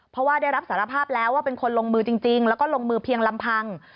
เพราะว่าได้รับสารภาพแล้วว่าเป็นคนลงมือจริงแล้วก็ลงมือเพียงลำพัง